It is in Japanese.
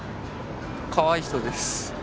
かわいい人です。